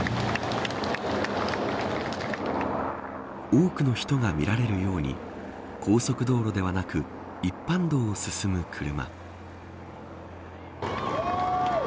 多くの人が見られるように高速道路ではなく一般道を進む車。